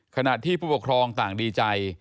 ขณะที่ผู้ปกครองต่างดีใจ